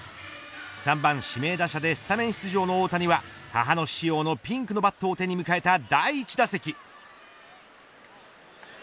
３番指名打者でスタメン出場の大谷は母の日仕様のピンクのバットを手に迎えた第１打席。